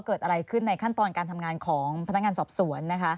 เกิดอะไรขึ้นในขั้นตอนการทำงานของพนักงานสอบสวนนะคะ